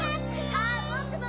あっぼくも。